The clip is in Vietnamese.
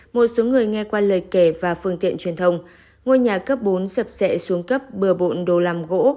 một số người nghe qua lời kể và phương tiện truyền thông ngôi nhà cấp bốn sập sệ xuống cấp bừa bộn đồ làm gỗ